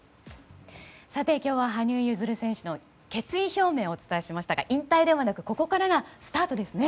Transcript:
今日は羽生結弦選手の決意表明をお伝えしましたが引退ではなくここからがスタートですね。